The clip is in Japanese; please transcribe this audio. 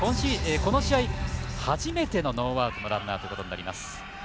この試合、初めてのノーアウトのランナーということになります。